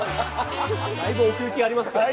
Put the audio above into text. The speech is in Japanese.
だいぶ奥行きありますけどね。